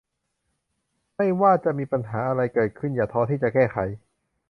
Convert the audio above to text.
ไม่ว่าจะมีปัญหาอะไรเกิดขึ้นอย่าท้อที่จะแก้ไข